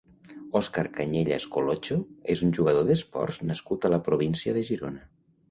Òscar Cañellas Colocho és un jugador d’esports nascut a la província de Girona.